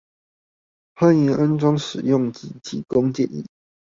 歡迎安裝使用及提供建議